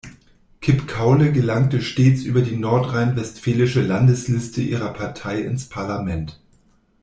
Kipp-Kaule gelangte stets über die nordrhein-westfälische Landesliste ihrer Partei ins Parlament.